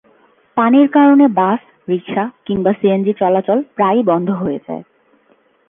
পানির কারণে bus, rickshaw কিংবা সিএনজি চলাচল প্রায়ই বন্ধ হয়ে যায়।